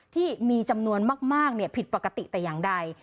ที่มีจำนวนมากผิดปกติแต่อย่างใด